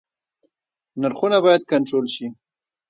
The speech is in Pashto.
نرخونه باید کنټرول شي